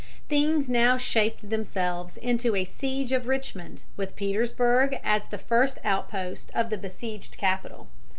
Things now shaped themselves into a siege of Richmond, with Petersburg as the first outpost of the besieged capital.